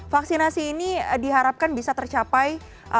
vaksinasi ini diharapkan bisa tercapai